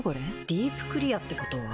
「ディープクリア」ってことは。